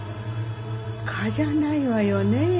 蚊じゃないわよね。